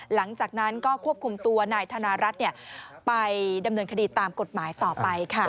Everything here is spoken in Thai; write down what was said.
หลังจากนั้นก็ควบคุมตัวนายธนรัฐไปดำเนินคดีตามกฎหมายต่อไปค่ะ